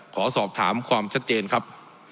ขอสอบถามความชัดเจนครับ